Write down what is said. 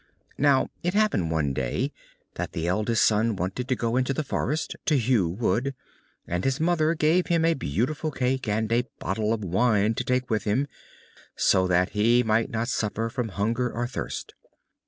Now it happened one day that the eldest son wanted to go into the forest, to hew wood, and his Mother gave him a beautiful cake and a bottle of wine to take with him, so that he might not suffer from hunger or thirst.